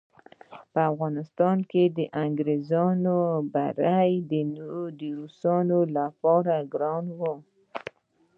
په افغانستان کې د انګریزانو بری د روسانو لپاره ګران وو.